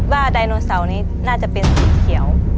ไดโนเสาร์นี้น่าจะเป็นสีเขียว